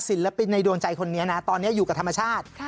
ศิลปินในดวงใจคนนี้นะตอนนี้อยู่กับธรรมชาติ